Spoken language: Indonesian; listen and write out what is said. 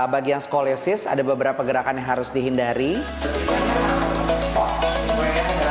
bagian skoliosis ada beberapa gerakan yang bisa diperhatikan